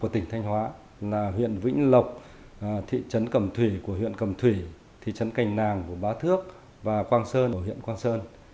tỉnh thanh hóa là huyện vĩnh lộc thị trấn cẩm thủy của huyện cầm thủy thị trấn cành nàng của bá thước và quang sơn ở huyện quang sơn